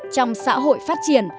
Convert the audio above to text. trong xã hội phát triển